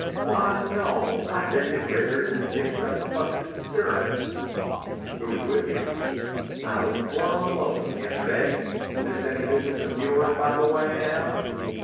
"Why, no, I fed the critters and fixed up a busted stirrup." "Who was with you?" "I was plumb lonesome yesterday. This any business of yours, by the way, Em?"